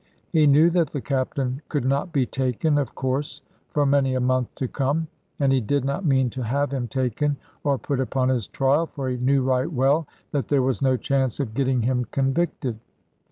He knew that the Captain could not be taken, of course, for many a month to come, and he did not mean to have him taken or put upon his trial; for he knew right well that there was no chance of getting him convicted.